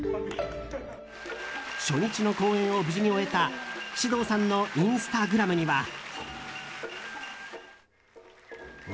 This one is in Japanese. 初日の公演を無事に終えた獅童さんのインスタグラムには。